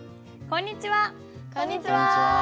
こんにちは！